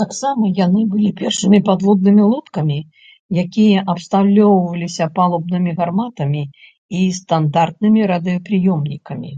Таксама яны былі першымі падводнымі лодкамі, якія абсталёўваліся палубнымі гарматамі і стандартнымі радыёпрыёмнікамі.